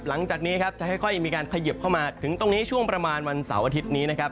หลังจากนี้ครับจะค่อยมีการเขยิบเข้ามาถึงตรงนี้ช่วงประมาณวันเสาร์อาทิตย์นี้นะครับ